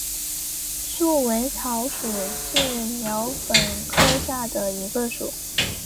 束尾草属是禾本科下的一个属。